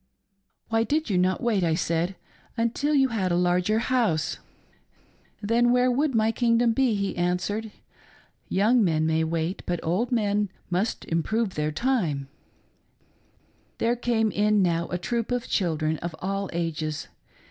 " Why did you not wait," I said, " until you had a larger house .''"" Then where would my kingdom be .'" he answered, " Young men may wait, but old men must improve thei* time," There came in now a troop of children of all ages.